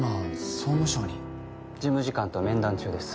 総務省に事務次官と面談中です